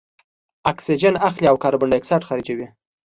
اکسیجن اخلي او کاربن دای اکساید خارجوي.